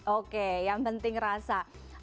oke yang penting rasa